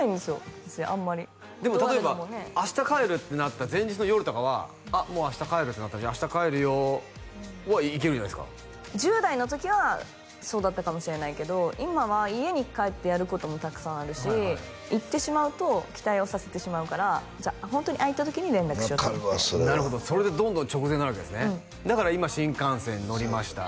私あんまりでも例えば明日帰るってなった前日の夜とかはあっもう明日帰るってなったら「明日帰るよ」はいけるじゃないですか１０代の時はそうだったかもしれないけど今は家に帰ってやることもたくさんあるし言ってしまうと期待をさせてしまうからホントに空いた時に連絡しようって分かるわそれはなるほどそれでどんどん直前になるわけですねだから「今新幹線乗りました」